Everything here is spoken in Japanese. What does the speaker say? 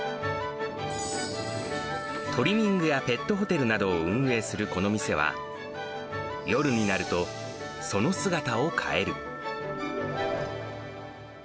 トリミングやペットホテルなどを運営するこの店は、夜になると、その姿を変える。